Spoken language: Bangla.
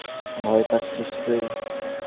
ভয় পাচ্ছিস তুই?